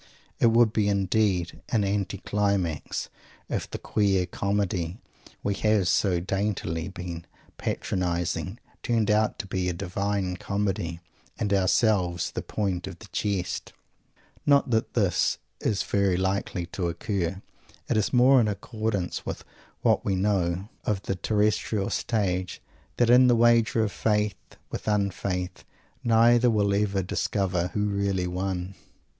It would be indeed an anti climax if the queer Comedy we have so daintily been patronizing turned out to be a Divine Comedy and ourselves the point of the jest! Not that this is very likely to occur. It is more in accordance with what we know of the terrestrial stage that in this wager of faith with un faith neither will ever discover who really won!